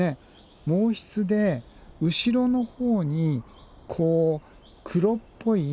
毛筆で後ろのほうにこう黒っぽい。